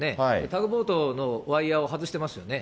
タグボートのワイヤーを外してますよね。